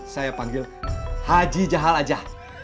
saya panggil haji jahaal aja